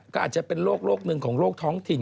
ก็อาจจะเป็นโรคหนึ่งของโลกท้องถิ่น